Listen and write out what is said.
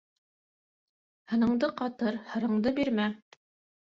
Һыныңды ҡатыр, һырыңды бирмә.